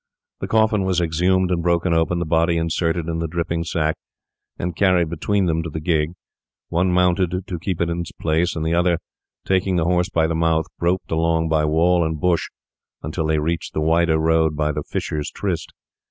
The coffin was exhumed and broken open; the body inserted in the dripping sack and carried between them to the gig; one mounted to keep it in its place, and the other, taking the horse by the mouth, groped along by wall and bush until they reached the wider road by the Fisher's Tryst.